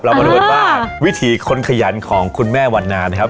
เรามารู้ไหมว่าวิธีคนขยันของคุณแม่วันนานะครับ